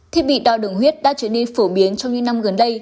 thiết bị đo đường huyết đã trở nên phổ biến trong những năm gần đây